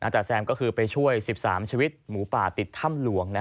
จ๋แซมก็คือไปช่วย๑๓ชีวิตหมูป่าติดถ้ำหลวง